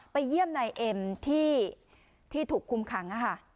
เยี่ยมนายเอ็มที่ถูกคุมขัง